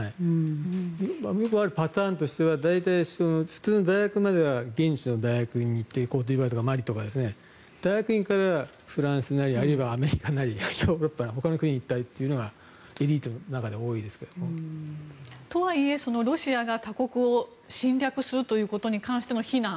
よくあるパターンとしては大学までは現地の大学に行ってコートジボワールとかマリとかは大学院からフランスなりあるいはアメリカなりヨーロッパのほかの国に行きたいというのがとはいえ、ロシアが他国を侵略するということに関しての非難。